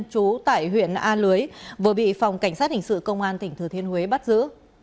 chú tại huyện a lưới vừa bị phòng cảnh sát hình sự công an tỉnh thừa thiên huế bắt giữ